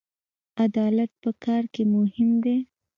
عدالت په کار کې مهم دی